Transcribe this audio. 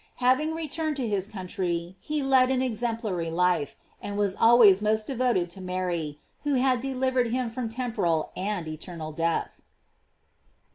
Having returned to his country, he led an exemplary life, and was always most devoted to Mary, who had delivered him from temporal and eternal death.